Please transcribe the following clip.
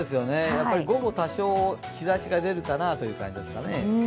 午後、多少日ざしが出るかなという感じですかね。